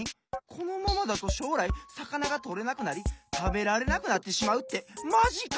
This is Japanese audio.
このままだとしょうらいさかながとれなくなりたべられなくなってしまうってマジか！